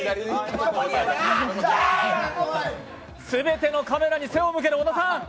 全てのカメラに背を向ける小田さん。